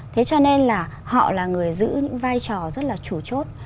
thế cho nên là họ là người giữ những vai trò rất là chủ chốt